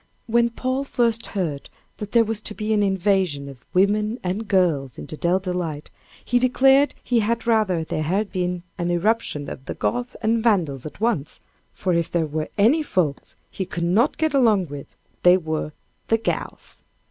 When Paul first heard that there was to be an invasion of "women and girls" into Dell Delight, he declared he had rather there had been an irruption of the Goths and Vandals at once for if there were any folks he could not get along with, they were "the gals."